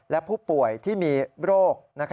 และผู้ป่วยที่มีโรค